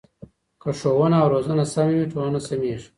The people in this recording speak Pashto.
که ښوونه او روزنه سمه وي ټولنه سمېږي.